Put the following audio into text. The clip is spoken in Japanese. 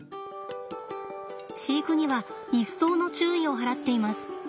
飼育には一層の注意を払っています。